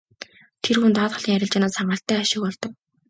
Тэр хүн даатгалын арилжаанаас хангалттай ашиг олдог.